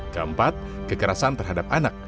keempat kekerasan terhadap anak